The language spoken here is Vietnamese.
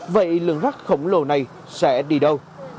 vậy lượng rác khổng lồ này sẽ đi đâu